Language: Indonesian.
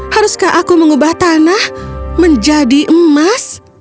haruskah aku mengubah tanah menjadi emas